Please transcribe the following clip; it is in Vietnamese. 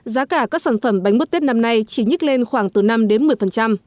giá cả các sản phẩm bánh bứt tết năm nay chỉ nhích lên khoảng từ năm đến một mươi